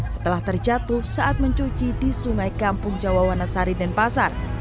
setelah terjatuh saat mencuci di sungai kampung jawa wanasari dan pasar